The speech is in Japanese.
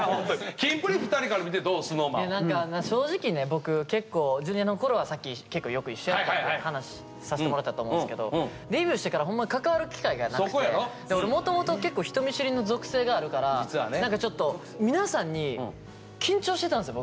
僕結構Ｊｒ．のころはさっき結構よく一緒やったって話させてもらったと思うんですけどデビューしてからほんま関わる機会がなくてで俺もともと結構人見知りの属性があるからちょっと皆さんに緊張してたんですよ